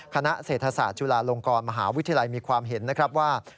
คณะเศรษฐศาสตร์จุฬาลงกรมหาวิทยาลัยมีความเห็นนะครับว่า